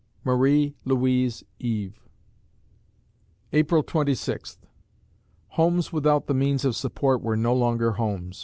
MARIE LOUISE EVE April Twenty Sixth Homes without the means of support were no longer homes.